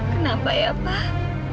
kenapa ya pak